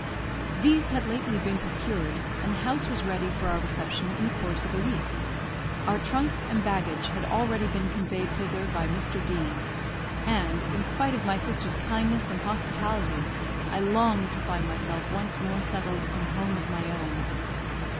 These had lately been procured, and the house was to be ready for our reception in the course of a week. Our trunks and baggage had already been conveyed thither by Mr. D ; and, in spite of my sister's kindness and hospitality, I longed to find myself once more settled in a home of my own.